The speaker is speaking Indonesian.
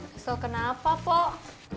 kesel kenapa pur